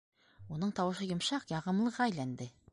Уның тауышы йомшаҡ, яғымлыға әйләнде.